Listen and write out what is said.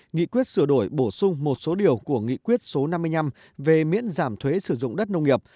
nghị quyết sửa đổi bổ sung một số điều của nghị quyết số năm mươi năm về miễn giảm thuế sử dụng đất nông nghiệp